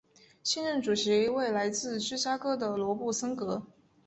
现任主席为来自芝加哥的罗森博格。